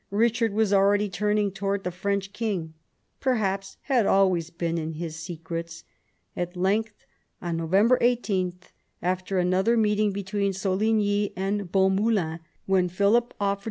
Eichard was already turning towards the French king — perhaps had always been in his secrets. At length, on November 18, after another meeting between Soligny and Bonsmoulins, when Philip offered 42 PHILIP AUGUSTUS chap.